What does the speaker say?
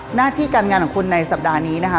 หน้าที่การงานของคุณในสัปดาห์นี้นะคะ